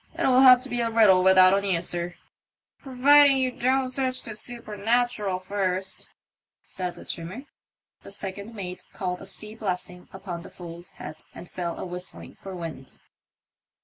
It'll have to be a riddle without an answer." Providing you don't sarch the soopernatural first," said the trimmer. The second mate called a sea blessing upon the fool's head, and fell a whistling for wind.